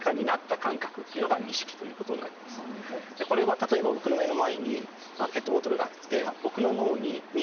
例えば僕の目の前にペットボトルがあって。